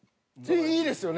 いいですよね？